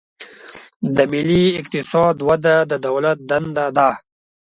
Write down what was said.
د ملي اقتصاد وده د دولت دنده ده.